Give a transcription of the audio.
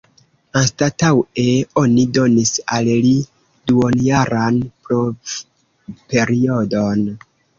Anstataŭe oni donis al li duonjaran provperiodon.